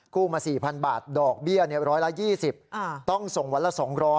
มา๔๐๐บาทดอกเบี้ยร้อยละ๒๐ต้องส่งวันละ๒๐๐